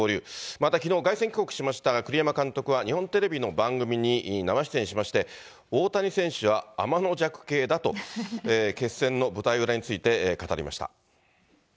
またきのう、凱旋帰国しました栗山監督は日本テレビの番組に生出演しまして、大谷選手はあまのじゃく系だと、決戦の舞台裏について、語りまし